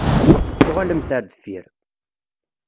Uɣalemt ar deffir.